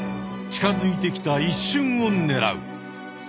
近づいてきた一瞬をねらう。